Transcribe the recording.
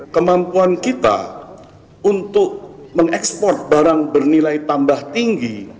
kemampuan kita untuk mengekspor barang bernilai tambah tinggi